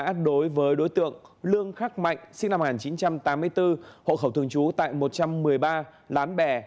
công an đối với đối tượng lương khắc mạnh sinh năm một nghìn chín trăm tám mươi bốn hộ khẩu thường trú tại một trăm một mươi ba lán bè